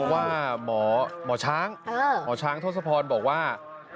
ว่าหมอช้างหมอช้างทศพรบอกว่า